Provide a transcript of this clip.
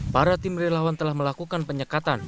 para tim relawan telah melakukan penyekatan